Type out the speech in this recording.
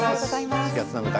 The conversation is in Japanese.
４月７日